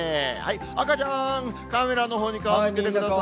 赤ちゃん、カメラのほうに顔向けてください。